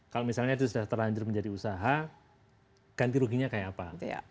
kalau misalnya itu sudah terlanjur menjadi usaha ganti ruginya kayak apa